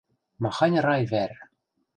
Махань рай вӓр!